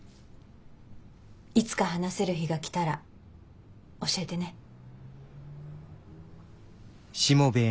いつか話せる日が来たら教えてね。